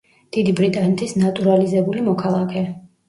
დიდი ბრიტანეთის ნატურალიზებული მოქალაქე.